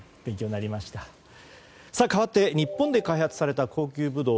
かわって日本で開発された高級ブドウ。